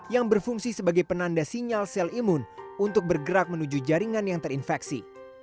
yang berfungsi sebagai penanda sinyal sel imun untuk bergerak menuju jaringan yang terinfeksi